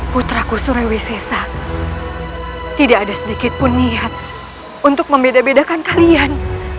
putraku surawisisa tidak ada sedikit pun niat untuk membeda bedakan kalian